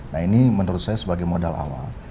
nah ini menurut saya sebagai modal awal